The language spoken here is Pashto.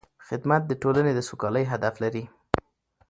خدمت د ټولنې د سوکالۍ هدف لري.